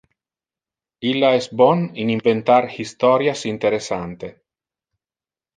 Illa es bon in inventar historias interessante.